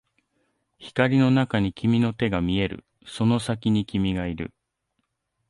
光の中に君の手が見える、その先に君がいる